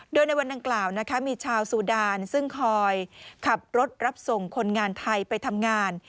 โดยในวันดังกล่าวนะคะมีชาวซูดานซึ่งคอยขับรถรับส่งคนงานไทยไปทำงาน